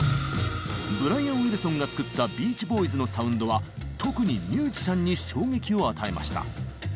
ブライアン・ウィルソンが作ったビーチ・ボーイズのサウンドは特にミュージシャンに衝撃を与えました。